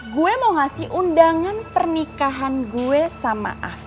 gue mau ngasih undangan pernikahan gue sama afri